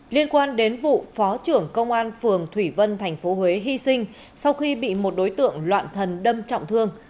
liên quan đến vụ phó trưởng công an phường thủy vân tp huế hy sinh sau khi bị một đối tượng loạn thần đâm trọng thương